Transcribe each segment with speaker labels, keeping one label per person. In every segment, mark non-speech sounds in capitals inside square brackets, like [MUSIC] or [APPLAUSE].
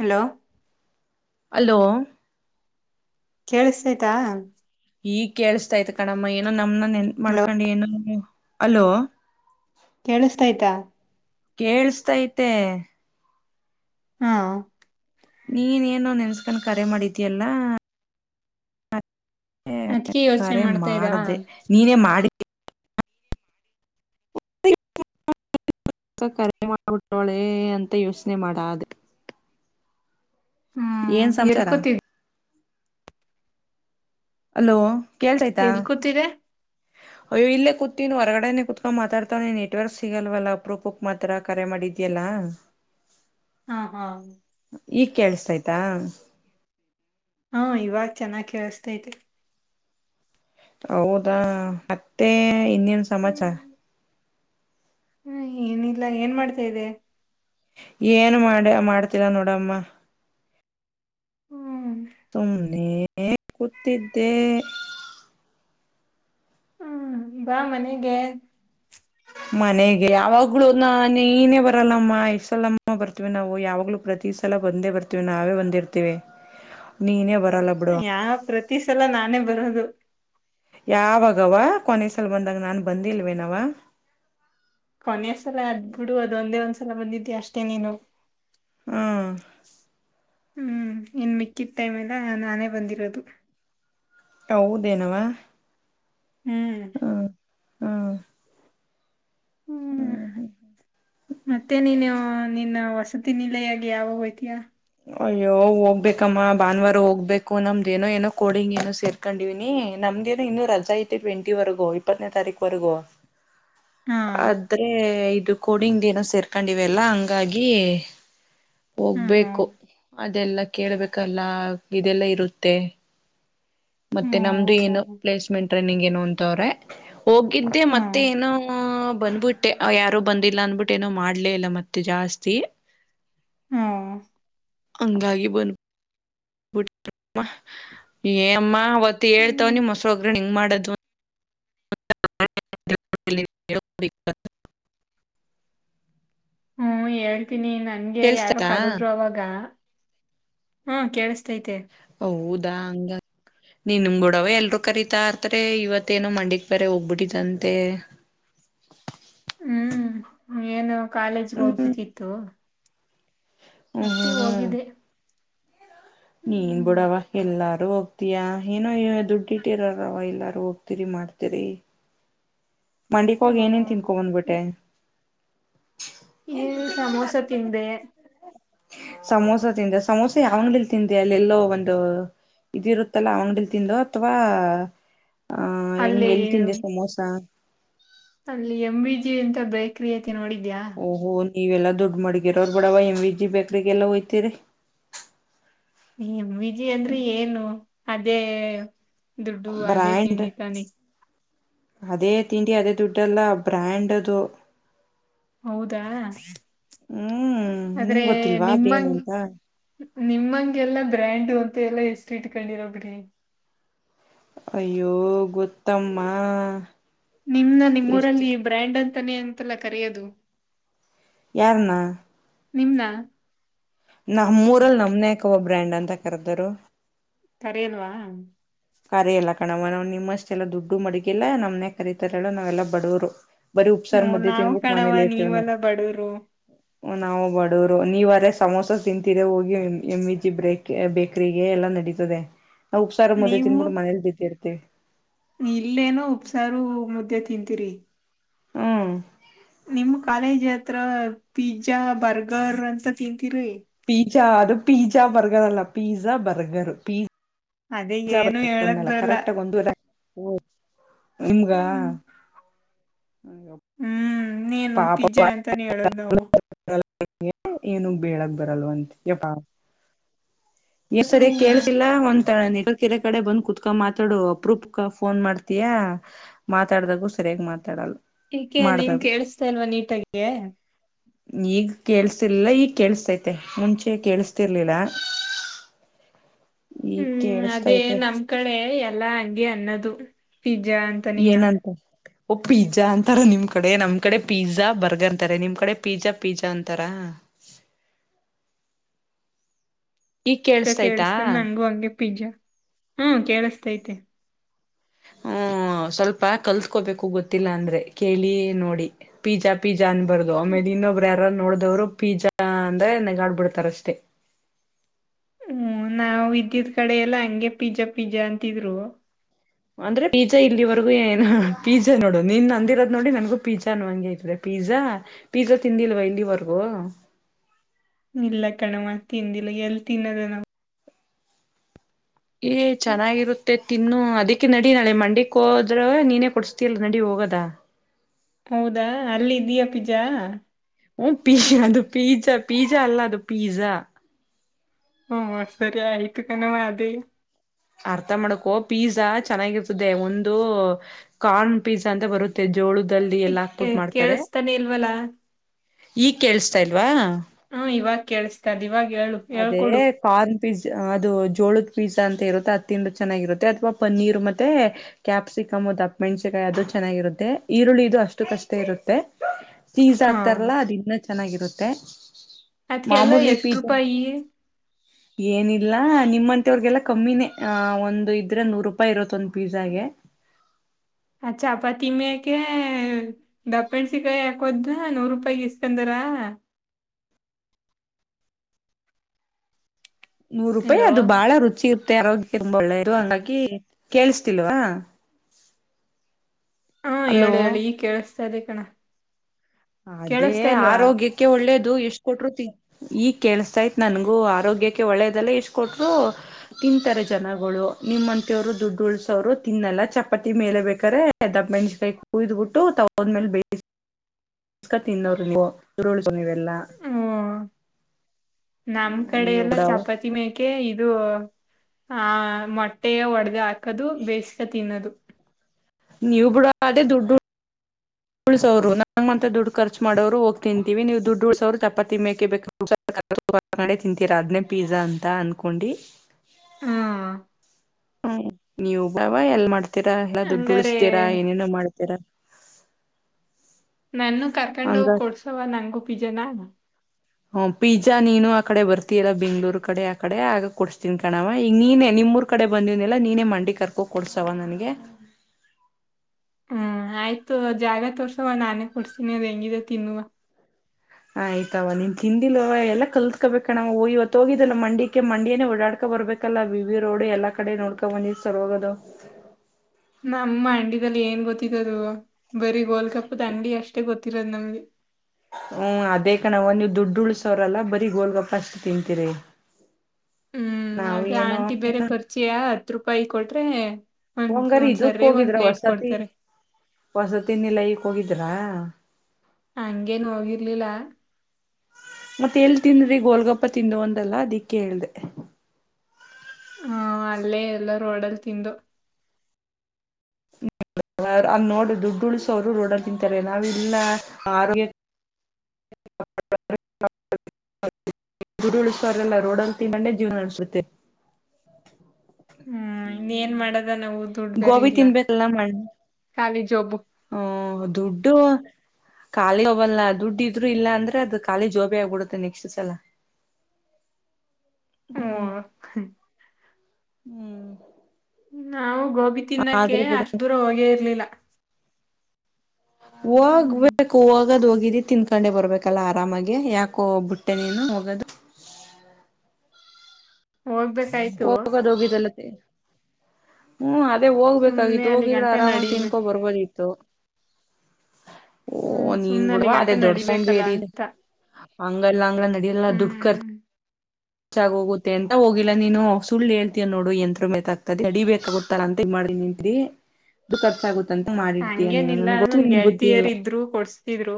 Speaker 1: Hello.
Speaker 2: Hello.
Speaker 1: ಕೇಳಿಸ್ಟೈತ.
Speaker 2: ಈಗ್ ಕೇೇಳಸ್ತಾಯ್ತ್ ಕಣಮ್ಮ ಏನೋ ನಮನ ನೆನಪ ಮಾಡ್ಕೊಂಡು ಏನ. ಹಲೋ.
Speaker 1: ಕೇಳಿಸತಾಯ್ತಾ.
Speaker 2: ಕೇಳಸ್ತೈತೆ.
Speaker 1: ಹ್ಮ.
Speaker 2: ನಿನ್ ಎನ್ ನೆನ್ಸ್ಕನ್ಕೊಂಡು ಕರೆ ಮಾಡಿದಿಯಲ್ಲ. ಹೇ
Speaker 1: ಅದ್ಕ ಯೋಚನೆ
Speaker 2: ಕರೆ
Speaker 1: ಮಾಡ್ತಾ ಇದಾ
Speaker 2: ಮಾಡ್ದೆ ನೀನೇ ಮಾಡಿ. ಹ [UNINTELLIGIBLE] ಅಂತೂ ಕರೆ ಮಾಡಿಬಿಟ್ಟೋಳೆ ಅಂತ ಯೋಚನೆ ಮಾಡದೆ.
Speaker 1: ಹ್ಮ್ ಎಲ್ಕೋತಿದ್.
Speaker 2: ಹಲೋ ಕೇಳ್ತಯ್ತಾ
Speaker 1: ಎಲ್ಕೂತಿದೆ
Speaker 2: ಅಯ್ಯೋ ಇಲ್ಲೇ ಕೂ. ಕುತಿನ ಹೊರ್ಗಡೆನೆೇ ಕುತ್ಕೊಂಡ ಮಾತಾಡ್ತವಿ ನೆಟ್ವರ್ಕ್ ಸಿಗಲ್ವಲ್ಲ ಅಪ್ರೋಪುಕ್ ಮಾತ್ರ ಕರೆ ಮಾಡಿದ್ಯಲ್ಲಾ.
Speaker 1: ಹಾ ಹಾ.
Speaker 2: ಈಗ್ ಕೇಳಿಸತಯ್ತಾ.
Speaker 1: ಹಾ ಇವಾಗ ಚೆನ್ನಾಗಿ ಕೇಳಸ್ತೈತೆ.
Speaker 2: ಹೌದಾ ಮತ್ತೆ ಇನ್ನೇನ್ ಸಮಾಚಾರ.
Speaker 1: ಹ ಏನಿಲ್ಲ ಏನ್ ಮಾಡ್ತಾ ಇದೆ.
Speaker 2: ಏನು ಮಾಡ ಮಾಡ್ತಿಲ್ಲ ನೋಡಮ್ಮ..
Speaker 1: ಹ್ಮ್
Speaker 2: ಸುಮ್ನೆ ಕೂತ್ತಿದ್ದೆ.
Speaker 1: ಹ್ಮ್ ಬಾ ಮನೆಗೆ.
Speaker 2: ಮನೆಗೆ ಯಾವಾಗ್ಲುೂ ನ ನೀನೇ ಬರಲ್ಲಮ್ಮ ಎಷ್ಟು ಸಲ್ಲಮ್ಮ ಬರ್ತೀವಿ ನಾವು ಯಾವಾಗ್ಲುೂ ಪ್ರತಿ. ಈ ಸಲ ಬಂದೇ ಬರ್ತೀವಿ ನಾವೇ ಬಂದಿರ್ತೀವಿ ನೀನೇ ಬರ್.
Speaker 1: ಯಾ ಪ್ರತಿಸಲ ನಾನೇ ಬರೋದು.
Speaker 2: ಯಾವಾಗವ್ವ ಕೊನೆಸಲ ಬಂದಾಗ ನಾನ್ ಬಂದಿಲ್ವೇನವ್ವ.
Speaker 1: ಕೊನೆಯ ಸಲ ಅದ್ಬಿಡು ಅದೊಂದೇ ಒಂದ್ಸಲ ಬಂದಿದ್ಯ ಅಷ್ಟೇ ನೀನು.
Speaker 2: ಹ್ಮ್
Speaker 1: ಹ್ಮ್ ಇನ್ ಮಿಕ್ಕಿದ ಟೈಮೆಲ್ಲ ನಾನೇ ಬಂದಿರೋದು.
Speaker 2: ಹೌದೇನವ್ವ.
Speaker 1: ಹ್ಮ್
Speaker 2: ಹ
Speaker 1: ಹ್ಮ್ ಮತ್ತೆ ನೀನು ನಿನ್ನ ಹೊ [UNINTELLIGIBLE] ನೀಲಯ ಅಗಿ ಯಾವಾಗ್ ಹೊತ್ಯಾ.
Speaker 2: ಅಯ್ಯೋ ಹೋಗ್ಬೇಕಮ್ಮ ಭಾನುವಾರ ಹೋಗ್ಬೇಕು ನಮ್ದ ಏನೋ ಏನೋ ಕೋಡಿಂಗ್ ಏನೋ ಸೇರ್ಕೊಂಡಿವೀನಿ ನಾ ನಮ್ದೇನ ಇನ್ನು ರಜ ಐತಿ ಟ್ವೆಂಟಿ ವರೆಗೂ ಇಪ್ಪತ್ತನೇ ತಾರೀಕ ವರೆಗೂ.
Speaker 1: ಹಾ
Speaker 2: ಆದ್ರೆ ಇದು. ಕೋಡಿಂಗ ಏನೋ ಸೇರ್ಕೊಂಡಿವೆಲ್ಲಾ ಹಂಗಾಗಿ.
Speaker 1: ಹ್ಮ್ ಹ್ಮ.
Speaker 2: ಹೋಗ್ಬೇಕು ಅದೆಲ್ಲ ಕೇಳ್ಬೇಕಲ್ಲ ಇದೆಲ್ಲ ಇರುತ್ತೆ. ಮತ್ತೆ ನಮ್ದು
Speaker 1: ಹ್ಮ್
Speaker 2: ಏನು
Speaker 1: ಹ್ಮ್
Speaker 2: ಪ್ಲೇಸ್ಮೆಂಟ್ಟ್ರೈನಿಂಗ್ ಏನು ಅಂತವ್ರೆ. ಹೋಗಿದ್ದೆ ಮತ್ತೆ
Speaker 1: ಹ್ಮ್
Speaker 2: ಏನೋ. ಬಂದ್ಬಿಟ್ಟೆ ಯಾರು ಬಂದಿಲ್ಲ ಅಂದ್ಬಿಟ್ಟ ಏನೋ ಮಾಡ್ಲೇ ಇಲ್ಲ ಮತ್ತೆ ಜಾಸ್ತಿ.
Speaker 1: ಹ್ಮ
Speaker 2: ಹಂಗಾಗಿ ಬಂದ್ [UNINTELLIGIBLE] ಏ ಅಮ್ಮ ಅವತ್ತ
Speaker 1: ಹ್ಮ್
Speaker 2: ಹೇಳ್ತವನಿ ಮೊಸರು ಒಗ್ಗರಣೆ ಹಿಂಗ್ ಮಾಡದು ಅಂ [UNINTELLIGIBLE]
Speaker 1: ಹ್ಮ್ ಹೇಳ್ತೀನಿ ನನ್ಗೆ ಯಾರೋ
Speaker 2: ಕೇಳ್ಸ್ತಾ
Speaker 1: ಕರದ್ರು ಅವಾಗ ಹ್ಮ ಕೇಳಸ್ ತೈತೆ
Speaker 2: [UNINTELLIGIBLE] ದಾ ಅಂಗ ನೀನ್ನ ಬಿಡವ್ವ ಎಲ್ರುೂ ಕರೀತಾ ಇರ್ತಾರೆ ಇವತ್ತೇನೋ ಮಂಡ್ಯಕ್ ಬೇರೆ ಹೋಗ್ಬಿಟ್ಟಿದಂತೆ.
Speaker 1: ಹ್ಮ್ ಏನೊ ಕಾಲೇಜ್ಗೆ
Speaker 2: ಹ್ಮ್ ಹ್ಮ್
Speaker 1: ಹೋಗ್ಬೇಕಿತ್ತು.
Speaker 2: ಹ್ಮ್
Speaker 1: ಅದಕಿ
Speaker 2: ಹ್ಮ್
Speaker 1: ಹೋಗಿದೆ.
Speaker 2: ನೀನ್ ಬುಡವ ಎಲ್ಲಾರ್ [UNINTELLIGIBLE] ರು ಹೋಗ್ತಯಾ ಏನೋ ದುಡ್ಡು ಇಟ್ಟಿರಾರವ ಎಲ್ಲಾರೂ ಹೋಗ್ತಿರಿ ಮಾಡ್ತೀರಿ. ಮಂಡ್ಯಕ್ ಹೋಗಿ ಏನೇನ್
Speaker 1: ಹ್ಮ್
Speaker 2: ತಿನ್ಕೊ ಬಂದ್ಬಿಟ್ಟೆ.
Speaker 1: ಏನ್ ಸಮೋಸಾ ತಿಂದೆ.
Speaker 2: ಸಮೋಸ ತಿಂದ ಸಮೋಸ ಯಾವ್ ಅಂಗಡಿಲಿ ತಿಂದೆ ಅಲ್ಲ ಎಲ್ಲೋ ಒಂದು ಇದ ಇರುತ್ತಲ್ಲ ಅವಂಗ್ಡಿಲ್ ತಿಂದೋ ಅಥವಾ ಆ ಹೆಂಗ
Speaker 1: ಅಲ್ಲಿ
Speaker 2: ಎಲ್ ತಿಂದೆ ಸಮೋಸ.
Speaker 1: ಅಲ್ಲಿ ಎಂ ವಿ ಜಿ ಎಂತ ಬೇಕ್ರಿ ಐತೆ ನೋಡಿದ್ಯಾ.
Speaker 2: ಓಹೋ ನೀವೆಲ್ಲಾ ದುಡ್ಡು ಮಡಗಿರೊರು ಅವರು ಬಡವ್ವ ಎಮ್ ವಿ ಜಿ ಬೇಕ್ರಿಗೆಲ್ಲ ಹೋಯ್ತಿರಿ.
Speaker 1: ಎಮ್ ವಿ ಜಿ ಅಂದ್ರೆ ಏನು ಅದೇ. ದುಡ್ಡು ಅದೇ
Speaker 2: ಬ್ರ್ಯಾಂಡ್
Speaker 1: ತಿಂಡಿತಾನೆ.
Speaker 2: ಅದೇ ತಿಂಡಿ ಅದೇ ದುಡ್ಡಲ್ಲ ಬ್ರ್ಯಾಂಡ್ ಅದು.
Speaker 1: ಹೌದಾ
Speaker 2: ಹ್ಮ್
Speaker 1: ಆದ್ರೆ
Speaker 2: ನಿಂಗ್ ಗೊತ್ತಿಲ್ವಾ
Speaker 1: ನಿಮ್ಮಂಗ
Speaker 2: ಅದೇನಂತ
Speaker 1: ನಿಮ್ಮಂಗೆಲ್ಲಾ ಬ್ರ್ಯಾಂಡು. ಮತ್ತ ಎಲ್ಲ ಎಷ್ಟ ಇಟ್ಕೊಂಡಿರಗ್ರಿ.
Speaker 2: ಅಯ್ಯೋ ಗೊತ್ತಮ್ಮ.
Speaker 1: ನಿಮ್ನ
Speaker 2: ಎಷ್ಟು
Speaker 1: ನಿಮ್ಮೂರಲ್ಲಿ ಈ ಬ್ರ್ಯಾಂಡ್ ಅಂತಾನೇ ಅಂತೆಲ್ಲ ಕರೆಯೋದು.
Speaker 2: ಯಾರನ್ನ.
Speaker 1: ನಿಮ್ನ
Speaker 2: ನಮ್ಮ ಊರಲ್ಲಿ ನಮ್ನೆಕವ್ವ ಬ್ರ್ಯಾಂಡು ಅಂತ ಕರ್ದರು.
Speaker 1: ಕರೇಲ್ವಾ
Speaker 2: ಕರಿಯಲ್ಲ ಕಣವ್ವ ನಾವ್ ನಿಮ್ಮಷ್ಟು ಎಲ್ಲ ದುಡ್ಡು ಮಡಗಿಲ್ಲ ನಮ್ನೆ ಕರೀತಾರೆ ಹೆಳು ನಾವೆಲ್ಲಾ ಬಡವರು. ಬರೆ ಉಪಚಸಾರು ಮುಧ್ದೆ
Speaker 1: ನಾವು
Speaker 2: ತೀನ್ಬುಟ್
Speaker 1: ಕಣವ
Speaker 2: ಮನೇಲ್ ಇರ್ತವ ನಾವು.
Speaker 1: ನೀವೆಲ್ಲ ಬಡವರು
Speaker 2: ನಾವು ಬಡೂರು ನೀವಾದ್ರೇ ಸಮೋಸ ತಿಂತೀರ ಹೋಗಿ ಎಂ ವಿ ಜಿ ಬ್ರೇ ಬೇಕ್ರಿಗೆ ಎಲ್ಲ ನಡೀತದೆ ನಾವು ಉಪ್ಸಾರ ಮೊದೆ
Speaker 1: ನೀವು
Speaker 2: ತಿಂದನ್ಬಿಟ್ಟ ಮನೇಲಿ ಜತಿ ಇರ್ತವಿ
Speaker 1: ಇಲ್ಲೇನೋ ಉಪ್ಸಾರು ಮುದ್ದೆ ತಿಂತೀರಿ
Speaker 2: ಹ್ಮ್
Speaker 1: ನಿಮ್ಮ ಕಾಲೇಜ್ ಹತ್ರ ಪಿಜ್ಜಾ ಬರ್ಗರ್ ಅಂತ ತಿಂತೀರಿರಿ
Speaker 2: ಾ ಅದು ಪೀಜಾ ಬರ್ಗರ್ ಅಲ್ಲ ಪೀಜಜಾ ಬರ್ಗರ್ ಪೀ
Speaker 1: ಅದೇ ಏನು ಹೇಳಕ್
Speaker 2: ಜಲ್ಲ
Speaker 1: ಬರಲ್ಲ
Speaker 2: ಕರೆಕ್ಟ್ಗ ಒಂದುವ ನಿಮ್ಗ
Speaker 1: ಹ್ಮ್
Speaker 2: ಹಗೆ
Speaker 1: ನೇನು ಪಿಜ್ಜಾ ಅಂತಾನ ಹೇಳದ ನಾವು
Speaker 2: ಏನುಗ್ ಬೇೇಳಕ್ ಬರಲ್ವಂತ ಯಪ್ಪಾ ಏ ಸರಿ
Speaker 1: ಹ್ಮ್
Speaker 2: ಕೇಳ್ತಿಲ್ಲಾ ಒ ಕೆರೆ ಕಡೆ ಬಂದು ಕುೂತ್ಕ ಮಾತಾಡು ಅಪ್ರೂಪ್ ಫೋನ್ ಮಾಡ್ತೀಯಾ ಮಾತಾಡ್ದಾಗು ಸರಿ ೇಗ್ ಮಾತಾಡಲ್ಲ
Speaker 1: ಈಕೆ ನೀನ್
Speaker 2: ಮಾಡ್ದಾಗು
Speaker 1: ಕೇಳಸ್ತಾಲ್ವಾ ನೀಟಾಗ
Speaker 2: ಲ್ಲ ಈ ಕೇಳಿಸತೈತೆ ಮುಂಚೆ ಕೇಳಿಸಸ್ತಿರ್ಲಿಲ್ಲ
Speaker 1: ಹ್ಮ್ ಅದೇ
Speaker 2: ಕೇಳಸ್ತೈತೆ
Speaker 1: ನಮ್ ಕಡೆ ಎಲ್ಲಾ ಹಂಗೆ ಅನ್ನೋದು ಪಿಜ್ಜಾ ಅಂತನಿಯ
Speaker 2: ಏನಂತ ಓ ಪಿಜ್ಜಾ ಅಂತಾರ ನಿಮ್ ಕಡೆ ನಮ್ ಕಡೆ ಪಿಜ್ಜಾ ಬರ್ಗರ್ ಅಂತಾರೆ ನಿಮ್ ಕಡೆ ಪಿಜ್ಜಾ ಪಿಜ್ಜಾ ಅಂತಾರ
Speaker 1: ಹ
Speaker 2: ಈಗ
Speaker 1: ಅ ಕೇಳಸ್ಕೊಂಡ್
Speaker 2: ಕೇಳಸ್ತಯ್ತಾ
Speaker 1: ನಂಗು ಹಾಗೆ ಪಿಜ್ಜ ಹ್ಮ ಕೇಳಸ್ತತೆ
Speaker 2: ಹ್ಮ ಸ್ವಲ್ಪ ಕಲ್ತ್ಕೋಬೇಕು ಗೊತ್ತಿಲ್ಲ ಅಂದ್ರೆ ಕೇಳಿ ನೋಡಿ ಪಿಜ್ಜಾ ಪಿಜಜಾ ಅನ್ಬಾರದು ಆಮೇ ಇನ್ನೊಬ್ರು ಯಾರ ನೋಡ್ದವ್ರು ಪೀಜಾ ಅಂದ್ರೆ ನಗಾಡ್ ಬಿಡ್ತಾರಷ್ಟೇ
Speaker 1: ಹ್ಮ್ ನಾವವು ವಿದ್ಯುತ್ ಕಡೆ ಎಲ್ಲ ಹಗೆ ಪಿಜ್ಜಾ ಪಿಜ್ಜಾ ಅಂತಿದ್ರು
Speaker 2: ಅಂದ್ರೆ ಪೀಜಾ ಇಲ್ಲಿವರೆಗೂ ಏ ಪೀಜಾ ನೋಡು ನೀನ್ ಅಂದಿರದ್ ನೋಡಿ ನನ್ಗು ಪೀಜಾ ಅನ್ಂಗಗೆ ಆಐತದೆ ಪಿಜಾ ಪಿಜ್ಜಾ ತಿಂದಿಲ್ವಾ ಇಲ್ಲಿವರೆಗೂ
Speaker 1: ಇಲ್ಲ ಕಣಮ ತಿಂದಿಲ್ಲ ಎಲ್ಲಿ ತಿನ್ನದ ನಾವು
Speaker 2: ಏ್ ಚೆನ್ನಾಗಿರುತ್ತೆ ತಿನ್ನು ಅದ ಅದಕ್ಕೆ ನಡಿ ನಾಳೆ ಮಂಡಕ್ ಹೋದ್ರ ನೀನೇ ಕೊಡ್ಸ್ತಿಲ್ಲ ನಡಿ ಹೋಗದ
Speaker 1: ಹೌದಾ ಅಲ್ಲಿ ಇದೀಯಾ ಪಿಜ್ಜಾ
Speaker 2: ಹಓ ಪಿ ಅದು ಪಿಜಾ ಪಿಜಾ ಅಲ್ಲ ಅದು ಪಿಜಾ
Speaker 1: ಹ್ಮ ಸರಿ ಆಯಿತು ಕ ನ ಅದೇ
Speaker 2: ಅರ್ಥ ಮಾಡಕೊ ಪಿಜಜಾ ಚೆನ್ನಾಗಿರ್ತದೆ ಒಂದು ಕಾರ್ನ್ ಪೀಜಜಾ ಅಂತ ಬರುತ್ತೆ ಜೋಳದಲ್ಲಿ ಎಲ್ಲ
Speaker 1: ಏ
Speaker 2: ಹಾಕ್ಬಿಟ್ಟು ಮಾಡ್ತಾರೆ
Speaker 1: ಕೇಳಿಸ್ತಾನೆ ಇಲ್ವಲ್ಲ
Speaker 2: ಈಗ ಕೇೇಳಸ್ತಾ ಇಲ್ವಾ
Speaker 1: ಹ್ಮ ಇವಾಗ ಕೇಳಿಸ್ತದ ಇವಾಗ ಹೇಳು
Speaker 2: ಅದೇ
Speaker 1: ಹೇಳ್ಕೊಡು
Speaker 2: ಕಾರ್ನ್ ಪೀಜ ಅದು ಜೋಳ ಪಿಜ್ಜಾ ಅಂತ ಇರುತ್ತೆ ಅತ್ತ ತಿಂದ ಚೆನ್ನಾಗಿರುತ್ತೆ ಅಥವಾ ಪನ್ನೀರ್ ಮತ್ತೆ ಕ್ಯಾಪ್ಸಿಕಮ್ ಅದಪ್ಪ ಮೆಣ್ಸನ್ಕಾಯಿ ಅದು ಚೆನ್ನಾಗಿರುತ್ತೆ ಈರುಳ್ಳಿ ಇದು ಅಷ್ಟು ಕಷ್ಟ ಇರುತ್ತೆ ಪೀಜ
Speaker 1: ಹಾ
Speaker 2: ಹಕ್ತಾರಲ್ಲಾ ಅದು ಇನ್ನ ಚೆನ್ನಾಗಿರುತ್ತೆ
Speaker 1: ಅದ್ಕೆಲ್ಲ
Speaker 2: ಮಾಮೂಲಿ
Speaker 1: ಎಷ್ಟ್
Speaker 2: ಪೀಜ
Speaker 1: ರೂಪಾಯಿ
Speaker 2: ಏನಿದ ಇಲ್ಲ ನಿಮ್ಮಂತೆವ್ರಗೆಲ್ಲ ಕಮ್ಮಿನೇ ಆ ಒಂದ್ ಇದ್ರೆ ನೂರ್ ರೂಪಾಯಿ ಇರತ್ತ ಒಂದ್ ಪಿಝಾಗೆ
Speaker 1: [UNINTELLIGIBLE] ಆ ಚಪಾತಿ ಮ್ಯಾಕೆ ದಪ್ಪೆಣಸಿಕಾಯಿ ಯಾಕೋದ ನೂರ್ ರೂಪಾಯ ಇಷ್ಟಕಂದರ ಹಾ
Speaker 2: ನೂರು ರೂಪಾಯಿ
Speaker 1: ಹಲೋ
Speaker 2: ಅದು ಬಾಳ ರುಚಿ ಇ ೆರೋಗ ತಿಂಬೊಳ್ಳೆ ಇ ಹಂಗಾಕಿ ಕೇೇಳಸ್ತಿಲ್ವಾ
Speaker 1: ಹಾ ಹೇಳಿ ಹೇಳಿ ಈ ಕೇಳಿಸತಾದೆ ಕಣ
Speaker 2: ಅದೇ
Speaker 1: ಕೇಳಿಸ್ತಾ ಇಲ್ವಾ
Speaker 2: ಆರೋಗ್ಯಕ್ಕೆ ಒಳ್ಳೇದು ಇಷ್ಟ ಕೊರು ಈ ಕೇಳತತ್ ನನ್ಗೂ ಆರೋಗ್ಯಕ್ಕೆ ಒಳ್ಳೆದಲ್ಲ ಇಷ್ಟ್ ಕೊಟ್ಟರು ತಿಂತಾರೆ ಜನಗಳು ನಿಮ್ಮಂತಿಯವ್ರು ದುಡ್ಡು ಉಳ್ಸೋರು ತಿನ್ನಲ್ಲ ಚಪಾತಿ ಮೇಲೆ ಬೇಕಾರೆೆ ದ ಾಯಿ ಕಯುದ್ಬಿಟ್ಟು ತಗದ್ಮೇಲೆ ಬೇಯಿಸಿ
Speaker 1: [UNINTELLIGIBLE]
Speaker 2: ಮುಸ್ಕತಿ ಇನ್ನೋರುಗೋ ಸುರುಳಿಕ ನೀವೆಲ್ಲ
Speaker 1: ಹ್ಮ್ ನಮ್ ಕಡೆ
Speaker 2: ನೀವು
Speaker 1: ಎಲ್ಲ
Speaker 2: ಬಿಡ
Speaker 1: ಚಪಾತಿ ಮೇಕೆ ಇದು ಆ ಮೊಟ್ಟೆಯ ಒಡಗ ಹಾಕದು ಬೇಸ ತಿನ್ನೋದು
Speaker 2: ನೀನ್ವುಬುಡದೆ ದುಡ್ಡುೂ ಉಳಸೋ್ರು ನಂಗ್ ಮತ್ತ ದುಡ್ಡು ಖರ್ಚು ಮಾಡೋರು ಹೋಗ್ ತಿಂತೀವಿ ನೀವು ಡ್ಡು ಉಳಸೋ್ರು ಚಪಾತಿ ಮೇಕೆ ಬ ಒ ಕಡೆ ತಿಂತೀರಾ ಅದ್ನೇ ಪಿಜಜಾ ಅಂತ ಅನ್ಕೊಂಡಿ
Speaker 1: ಹ
Speaker 2: ಹ್ಮ ನೀವು ಎಲ್ ಮಾಡ್ತೀರಾ ಎಲ್ಲ ದುಡ್ಡು
Speaker 1: ಹಂಗಾರೆ
Speaker 2: ಉಳಿಸತೀರಾ ಏನೇನ ಮಾಡ್ತ ಎರ
Speaker 1: ನನ್ನು ಕರ್ಕೊಂಡೋಗಿ ಕೊಡ್ಸವ ನಂಗೂ ಪಿಜನಾ
Speaker 2: ಹ ಪೀಜ್ಜಾ ನೀನು ಆ ಕಡೆ ಬರ್ತೀಯಲ್ಲ ಬೆಂಗ್ಳೂರ್ ಕಡೆ ಆಕಡೆ ಆಗ ಕೊಡಿಸಸ್ತೀನ್ಿ ಕಣವ ಈಗ ನೀನ್ ನಿಮ ಮೂರ್ ಕಡೆ ಬಂದಿದನೆಲ್ಲ ನೀನೇ ಮಂಡಿ ಕರ್ಕೊಂಡ ಕೊಡ್ಸವ ನನಗೆ
Speaker 1: [UNINTELLIGIBLE] ಹ್ಮ್ ಆಯ್ತು ಜಾಗ ತೋರ್ಸುವ ನಾನೇ ಕೊಡ್ಸತೀನಿ ಅದ್ ಹೆಂಗಿದೆ ತಿನ್ನುವ
Speaker 2: ಆಯ್ತವ ನೀನ್ ತಿಿಂದಿಲ್ ಎಲ್ಲ ಕಲ್ತ್ಕೋಬೇಕಣ ಇವತ್ತು ಹೋಗಿದೆಲ್ಲ ಮಂಡಿಿಕ ಮಂಡಿಯೇ ಓಡಾಡ್ಕೊಂಡ ಬರ್ಬೇಕಲ್ಲಾ ವಿವಿ ರೋಡ್ ಎಲ್ಲಾ ಕಡೆ ನೋಡ್ಕೊ ಬಂದಿದಿ ಸರ್ ಹೋಗೋದು
Speaker 1: [UNINTELLIGIBLE] ನಮ್ಮ ಅಂಡಲ್ಲಿ ಏನ್ ಗೊತ್ತಿದದು ಬರೀ ಗೋಲ್ ಕಪ್ದ ಅಂಡಿ ಅಷ್ಟೇ ಗೊತ್ತಿರದ ನಮ್ಗೆ
Speaker 2: ಹ್ಮ ಅದ ಕಣ ನೀವು್ ದುಡ್ಡು ಉಳ್ಸ ಅವ್ರಲ್ಲಾ ಬರಿ ಗೋಲ್ಗಪ ಅಷ್ಟ ತಿಂತೀರಿ
Speaker 1: ಹ್ಮ್
Speaker 2: ನಾವ್
Speaker 1: ಅದ
Speaker 2: ಏನೋ
Speaker 1: ಆಂಟಿ ಬೇರೆ
Speaker 2: ಏನೋ
Speaker 1: ಪರಿಚಯ ಹತ್ ರೂಪಾಯಿ ಕೊಟ್ರೆ ಒಂದ್
Speaker 2: ಹಂಗರಿ
Speaker 1: ಒಂದ್
Speaker 2: ಇದಕ್
Speaker 1: ಸರ್ಯಾಗ ಒಂದ್
Speaker 2: ಹೋಗಿದ್ರ
Speaker 1: ಪ್ಲೇಟ್
Speaker 2: ವಸತಿ
Speaker 1: ಕೊಡ್ತಾರೆ
Speaker 2: ವಸತಿನಲ ಈಕ್ ಹೋಗಿದ್ರ ಹಾ
Speaker 1: ಹಂಗೇನು ಹೋಗಿರ್ಲಿಲ್ಲ
Speaker 2: ಮತ್ತೆ ಎಲ್ ತಿಿಂದ್ರಿ ಗೋಲ್ಗಪ್ಪ ತಿಂದು ಒಂದಲ್ಲ ಅದಿಕ್ಕೆೇಳ್ದೆ
Speaker 1: ಹ್ಮ ಅಲ್ಲೇ ಎಲ್ಲರ ಡಲ್ ತಿಂದು
Speaker 2: ಹ್ಮ ಅಲ್ಲಿ ನೋಡು ದುಡ್ಡು ಉಳಸೋ ಅವರು ರೋಡನ್ ತಿಂತಾರೆ ನಾವ ಇಲ್ಲ ಆರೋಗ್ಯ ಹ ಗುಡಿ ಉಳಿಸ್ತವ್ರಲ್ಲ ರೋಡಲ್ ತೀಂಡ್ಣೇ ಜೀವನ ನಡೆಸಿುತ್ತೆ
Speaker 1: ಹ್ಮ್ ಇ ಏನ್ ಮಾಡದ ನಾವು ದುಡ್ ಬೇರೆ
Speaker 2: ಗೋಬಿ
Speaker 1: ಇಲ್ಲ
Speaker 2: ತಿನ್ಬೇಕಲ್ಲ ಮ
Speaker 1: ಕಖಾಲಿಜ ಒಬ್ಬ
Speaker 2: ಹ್ಮ ದುಡ್ಡು ಖಾಲಿ ಹೋಗಬಲ್ಲ ದುಡ್ ಇದ್ರು ಇಲ್ಲ ಅಂದ್ರೆ ಅದು ಖಾಲಿ ಜೋಬಿ ಆಗ್ಬಿಡುತ್ತೆ ನೆಕ್ಸ್ಟ್ ಸಲ ಹ್ಮ್
Speaker 1: ಹ್ಮ
Speaker 2: ಹ್ಮ್
Speaker 1: ನಾವು ಗೋಬಿ ತಿನ್ನಕೆ
Speaker 2: ಆದ್ರೂ ಬಿಡ
Speaker 1: ಅಷ್ಟ ದೂರ ಹೋಗೇ ಇರ್ಲಿಲ್ಲ ಹ್ಮ್
Speaker 2: ಹ್ಬೇಕು ಹಾಗದ ಹ ಹಿ ತಿನ್ಕೊಂಡೆ ಬರ್ಬೇಕಲ್ಲ ಆರಾಮಾಗಿೆ ಯಾಕೋ ಬುಟ್ಟೆ ನೀನು ಹೋಗದು
Speaker 1: ಹೋಗ್ಬೇಕಾಯ್ತು
Speaker 2: ಹೋಗೋದ್ ಹೋಗಿದಲ್ಲತ್ತೆ ಹ್ಮ್ ಅದೇ
Speaker 1: ಸುಮ್ನೆ
Speaker 2: ಹೋಗ್ಬೇಕಾಗಿತ್ತು
Speaker 1: ಅಲ್ಲಿ
Speaker 2: ಹೋಗಿದ್ರೆ
Speaker 1: ಗಂಟ
Speaker 2: ಆರಾಮಾಗಿ
Speaker 1: ನಡಿಬ
Speaker 2: ತಿನ್ಕೋ ಬರ್ಬೋದಿತ್ತು ಓ
Speaker 1: ಹ್ಮ್
Speaker 2: ನೀನ್
Speaker 1: ಸುಮ್ನೆ ಅಲ್ಲಿ
Speaker 2: ಬಿುಡವಾ
Speaker 1: ಗಂಟ
Speaker 2: ಅದೇ ದೊಡ್ಸ್ಕ
Speaker 1: ನಡಿಬೇಕಲ್ಲ
Speaker 2: ಬೇಡಿದೆ
Speaker 1: ಅಂತ
Speaker 2: ಹಂಗಲ್ಲ ಅಂಗ್ಲ್ಲ ನಡಲ್ಲ ದುಡ್ಕರ್
Speaker 1: ಹ್ಮ್
Speaker 2: ಹೆಚ್ಚಾಗ ಹೋಗುತ್ತೆ ಅಂತ ಹೋಗಿಲ್ಲ ನೀನು ಸುಳ್ಳು ಹೇಳ್ತೀಯ ನೋಡು ಯಂತ್ರ ಮತ ಆಗ್ತದೆ ಅಡಿ ಬೇಕಡ್ತಾರ ಮಾಡಿ ನಿಂತಿ ಇದು ರ್ಚಾಗುತ್ತೆ ಮಾಡಿಡ್ತೀಯ ನೀನು
Speaker 1: ಹಂಗೇನಿಲ್ಲ
Speaker 2: ನನ್ ಗೊತ್ತು ನೀನ್ ಬುದ್ಧಿ
Speaker 1: ಗೆಳತಿಯರ್
Speaker 2: ಅಲ್ಲ
Speaker 1: ಇದ್ರು ಕೊಡ್ಸ್ತಿದ್ರು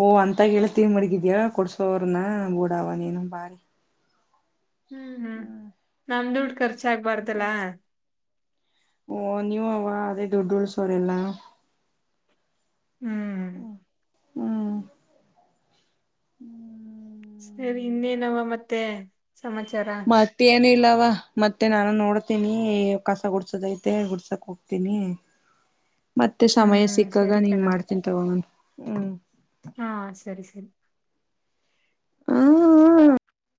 Speaker 2: ಓ ಅಂತ ಹೇಳ್ತೀವಿ ಮಡಗಿದಯ ಕೊಡ್ಸೋ್ರನ ೂಡವ ನೀೇನು ಭಾರಿ
Speaker 1: ಹ್ಮ್ ಹ್ಮ್ ನಮ್ದದುಡು ಖರ್ಚಾಗಗ್ಬಾರ್ದಲ್ಲ
Speaker 2: ಓ ನೀವ ಅವ ಅದೇ ದುಡ್ಡು ಉಳ್ಸೋರೆಲ್ಲ
Speaker 1: ಹ್ಮ್
Speaker 2: ಹ್ಮ ಹ್ಮ್ ಹ್ಮ್
Speaker 1: ಸರಿ ಇನ್ನೇನವ ಮತ್ತೆ ಸಮಾಚಾರ
Speaker 2: ಅಲ್ವಾ ಮತ್ತೆ ನಾನು ನೋಡ್ತೀನಿ ಕಸ ಗುಡ್ಸೋದೈತೆ ಗುಡ್ಸಕ್ ಹೋಗ್ತೀನಿ
Speaker 1: [INAUDIBLE]
Speaker 2: ಮತ್ತೆ ಸಮಯ
Speaker 1: ಹ್ಮ್
Speaker 2: ಸಿಕ್ಕಾಗ
Speaker 1: ಸರಿ ಕಣ
Speaker 2: ನಿಂಗ ಮಾಡ್ತೀನ್ ತಗೊಂಡಣ ಹ್ಮ್
Speaker 1: ಹಾ ಸರಿ ಸರಿ
Speaker 2: ಹ್ಮ ಹ್ಮ